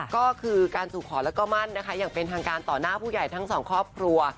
ก็คือการสู่ขอแล้วก็มั่นนะคะอย่างเป็นทางการต่อหน้าผู้ใหญ่ทั้งสองครอบครัว